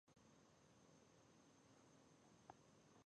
ښېل کېدل په پښتني ټولنه کې بده خبره ده.